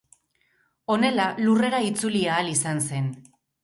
Honela Lurrera itzuli ahal izan zen.